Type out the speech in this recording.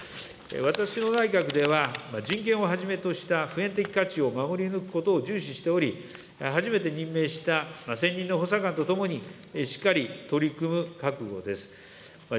私の内閣では、人権をはじめとした、普遍的価値を守り抜くことを重視しており、初めて任命した専任の補佐官と共に、しっかり取り組む覚悟です。